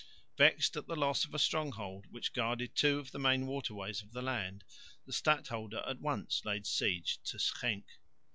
Vexed at the loss of a stronghold which guarded two of the main waterways of the land, the stadholder at once laid siege to Schenck.